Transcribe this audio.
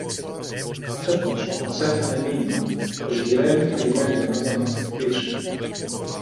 Κάθε τόσο μας έφθανε μήνυμα, πως γυρεύουν τα λημέρια μας για να μας χτυπήσουν